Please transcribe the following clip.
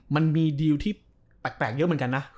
มันมีดีลที่แปลกเยอะเหมือนกันนะ